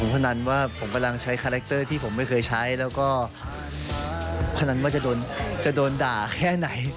พนันว่าผมกำลังใช้คาแรคเตอร์ที่ผมไม่เคยใช้แล้วก็พนันว่าจะโดนด่าแค่ไหน